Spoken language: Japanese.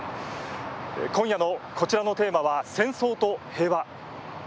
今夜のこちらのテーマは「戦争と平和」。